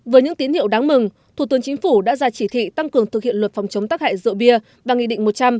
với những tín hiệu đáng mừng thủ tướng chính phủ đã ra chỉ thị tăng cường thực hiện luật phòng chống tác hại rượu bia và nghị định một trăm linh